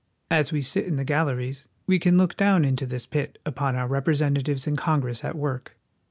As we sit in the galleries we can look down into this pit upon our representatives in Congress at work.